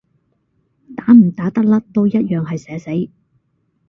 打唔打得甩都一樣係社死